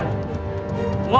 kalau kamu tidak bisa membayar